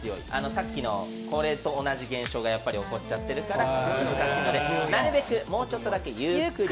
さっきと同じ現象が起こっちゃっているのでちょっと難しいのでなるべく、もうちょっとだけゆっくり。